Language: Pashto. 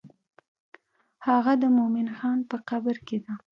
هغه د مومن خان په قبر کې ده.